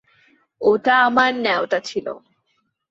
ওটা আমার ন্যাওটা ছিল।